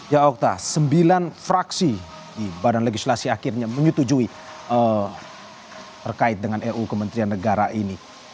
ya okta sembilan fraksi di badan legislasi akhirnya menyetujui terkait dengan ruu kementerian negara ini